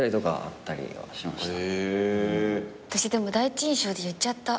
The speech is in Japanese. あたしでも第一印象で言っちゃった。